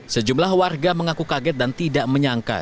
sejumlah warga mengaku kaget dan tidak menyangka